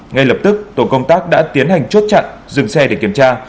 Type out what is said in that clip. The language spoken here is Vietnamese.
ngay lập tức tổ công tác đã tiến hành chốt chặn dừng xe để kiểm tra